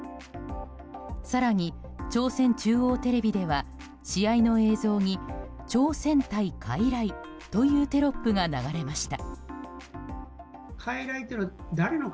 更に、朝鮮中央テレビでは試合の映像に朝鮮対傀儡というテロップが流れました。